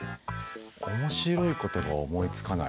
面白いことが思いつかない。